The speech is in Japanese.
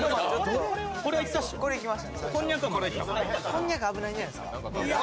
こんにゃく危ないんじゃないですか。